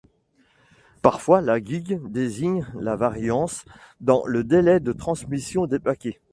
Parfois, la gigue désigne la variance dans le délai de transmission des paquets.